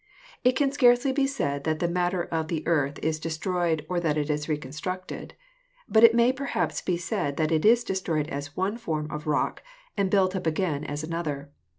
It can scarcely be said that the matter of the earth is destroyed or that it is reconstructed, but it may perhaps be said that it is destroyed as one form of rock and built up again as another.